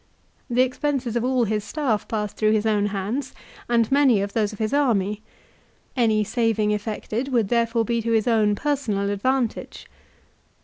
The ex penses of all his staff passed through his own hands, and many of those of his army. Any saving effected would THE WAR BETWEEN CAESAR AND POMPEY. 129 therefore be to his own personal advantage.